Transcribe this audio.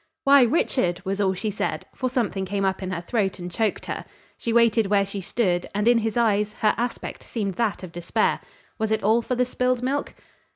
"Why, Richard!" was all she said, for something came up in her throat and choked her. She waited where she stood, and in his eyes, her aspect seemed that of despair. Was it all for the spilled milk?